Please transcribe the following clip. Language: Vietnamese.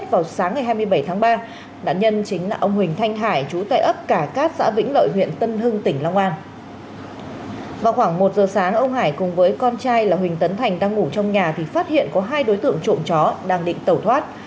vào khoảng một giờ sáng ông hải cùng với con trai là huỳnh tấn thành đang ngủ trong nhà thì phát hiện có hai đối tượng trộm chó đang định tẩu thoát